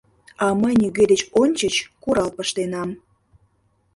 — А мый нигӧ деч ончыч курал пыштенам!